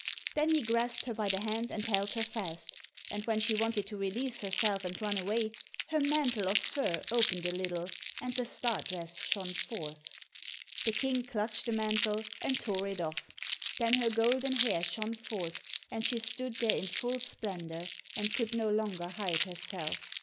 Then he grasped her by the hand, and held her fast, and when she wanted to release herself and run away, her mantle of fur opened a little, and the star dress shone forth. The King clutched the mantle and tore it off. Then her golden hair shone forth, and she stood there in full splendour, and could no longer hide herself.